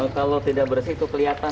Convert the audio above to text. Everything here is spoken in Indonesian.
kalau tidak bersih itu kelihatan